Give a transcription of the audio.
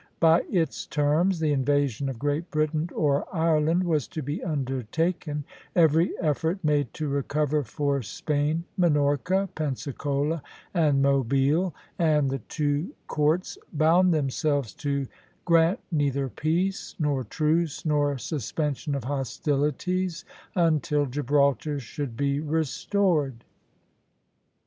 By its terms the invasion of Great Britain or Ireland was to be undertaken, every effort made to recover for Spain, Minorca, Pensacola, and Mobile, and the two courts bound themselves to grant neither peace, nor truce, nor suspension of hostilities, until Gibraltar should be restored.